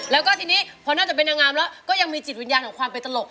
แล้วก็ทีนี้พอน่าจะเป็นนางงามแล้วก็ยังมีจิตวิญญาณของความเป็นตลก